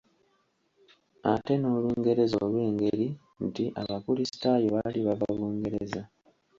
Ate n’Olungereza olw’engeri nti abakulisitaayo baali bava Bungereza.